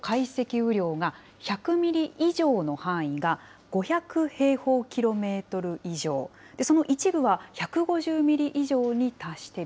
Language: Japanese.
雨量が１００ミリ以上の範囲が５００平方キロメートル以上、その一部は１５０ミリ以上に達している。